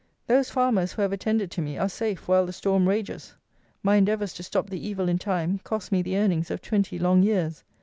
Those farmers who have attended to me are safe while the storm rages. My endeavours to stop the evil in time cost me the earnings of twenty long years!